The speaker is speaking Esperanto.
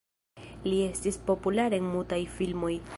Li estis populara en mutaj filmoj.